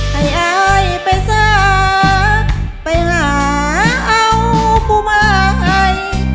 ให้ไอ้ไปเสื้อไปหาเอาผู้ใหม่